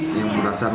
ini yang berasal